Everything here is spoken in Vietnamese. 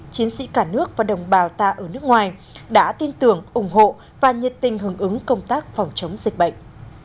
chiến sĩ cả nước và đồng bào ta ở nước ngoài đã tin tưởng ủng hộ và nhiệt tình hưởng ứng công tác phòng chống dịch bệnh